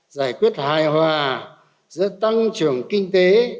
giải quyết hài hòa giữa tăng trưởng kinh tế